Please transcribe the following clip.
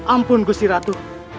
ampun gusti ratu